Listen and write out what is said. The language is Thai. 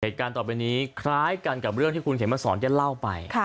เหตุการณ์ต่อไปนี้คล้ายกันกับเรื่องที่คุณเข็มมาสอนได้เล่าไป